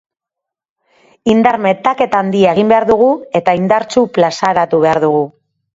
Indar metaketa handia egin behar dugu eta indartsu plazaratu behar dugu.